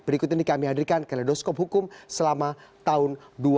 berikut ini kami hadirkan ke ledoskop hukum selama tahun dua ribu tujuh belas